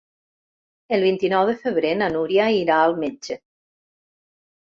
El vint-i-nou de febrer na Núria irà al metge.